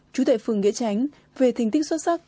trú tại phường nghĩa tránh về thành tích xuất sắc